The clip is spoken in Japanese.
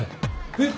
えっ？